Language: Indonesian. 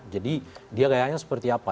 jadi dia kayaknya seperti apa